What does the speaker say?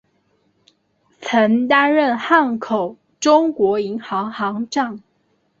曾担任汉口中国银行行长。